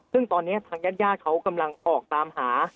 ซึ่งตอนนี้ทางญาติญาติเขากำลังออกตามหา